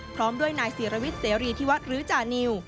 พร้อมด้วยนายศิรวิทย์เสรีที่วัดหรือจานิว